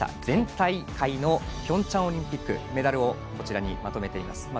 前回大会のピョンチャンオリンピックのメダルをこちらにまとめています。